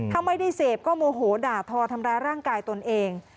ถ้าไม่ได้เสพก็โมโหด่าทอทำร้ายร่างกายตนเอง